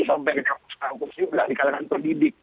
sampai ke kampus kampus juga di kalangan pendidik